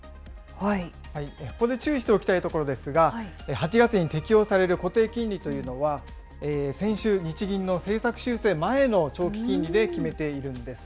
ここで注意しておきたいところですが、８月に適用される固定金利というのは、先週、日銀の政策修正前の長期金利で決めているんです。